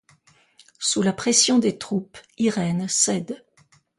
Sous la pression des troupes, Irène cède.